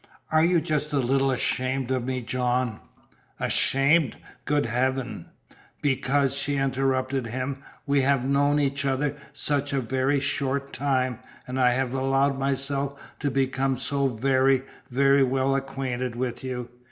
"Are you just a little ashamed of me, John?" "Ashamed? Good heaven " "Because," she interrupted him, "we have known each other such a very short time, and I have allowed myself to become so very, very well acquainted with you.